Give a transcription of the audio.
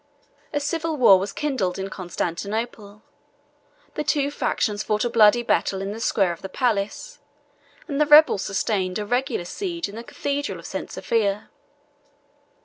A civil war was kindled in Constantinople; the two factions fought a bloody battle in the square of the palace, and the rebels sustained a regular siege in the cathedral of St. Sophia.